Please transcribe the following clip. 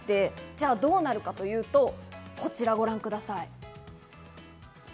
じゃあ、どうなるかというと、こちらご覧ください。